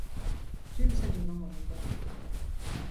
Kimsenin umurunda değil.